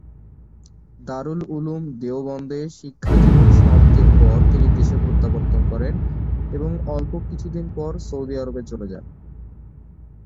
দারুল উলুম দেওবন্দে শিক্ষাজীবন সমাপ্তির পর তিনি দেশে প্রত্যাবর্তন করেন এবং অল্প কিছুদিন পর সৌদি আরবে চলে যান।